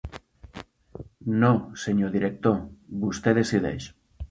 No, senyor director, vostè decideix.